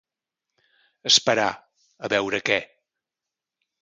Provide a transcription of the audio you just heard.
Esperar a veure què.